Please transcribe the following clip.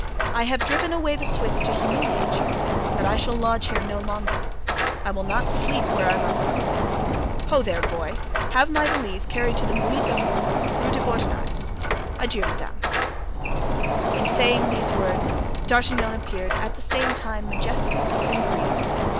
I have driven away the Swiss to humiliate you, but I shall lodge here no longer. I will not sleep where I must scorn. Ho, there, boy! Have my valise carried to the Muid d'Amour, Rue des Bourdonnais. Adieu, madame." In saying these words D'Artagnan appeared at the same time majestic and grieved.